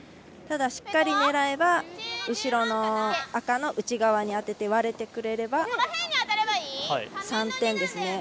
ただ、しっかり狙えば後ろの赤の内側に当てて、割れてくれれば３点です。